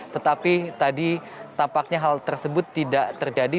tetapi tadi tampaknya hal tersebut tidak terjadi